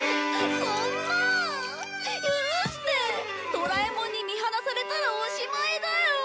ドラえもんに見放されたらおしまいだよ！